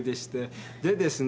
でですね